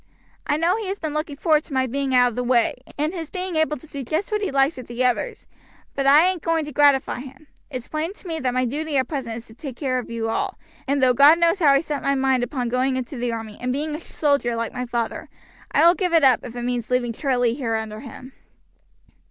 "I know he has been looking forward to my being out of the way, and his being able to do just what he likes with the others, but I ain't going to gratify him. It's plain to me that my duty at present is to take care of you all, and though God knows how I set my mind upon going into the army and being a soldier like my father, I will give it up if it means leaving Charlie here under him."